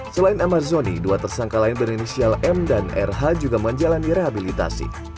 selain amar zoni dua tersangka lain berinisial m dan rh juga menjalani rehabilitasi